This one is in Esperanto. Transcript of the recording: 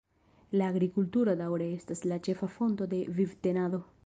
La agrikulturo daŭre estas la ĉefa fonto de vivtenado.